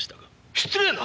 失礼な！